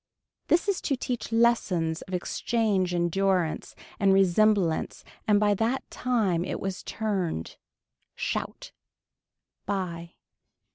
This is to teach lessons of exchange endurance and resemblance and by that time it was turned. Shout. By.